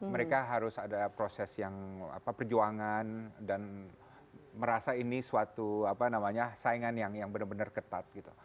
mereka harus ada proses yang perjuangan dan merasa ini suatu saingan yang benar benar ketat gitu